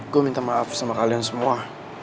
gue minta maaf sama kalian semua